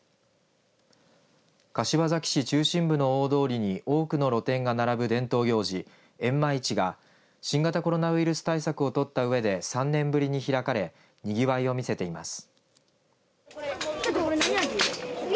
柏崎市中心部の大通りに多くの露店が並ぶ伝統行事、えんま市が新型コロナウイルス対策を取ったうえで３年ぶりに開かれにぎわいを見せています。